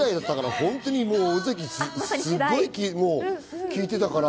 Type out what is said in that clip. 本当に尾崎、すっごい聴いてたから。